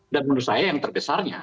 dan menurut saya yang terbesarnya